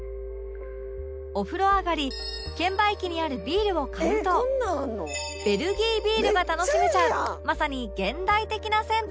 お風呂上がり券売機にあるビールを買うとベルギービールが楽しめちゃうまさに現代的な銭湯です